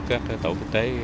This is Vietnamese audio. các tổ quốc tế